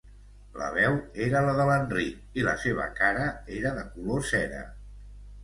La veu era la de l'Enric i la seva cara era de color cera.